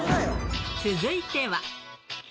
続いては。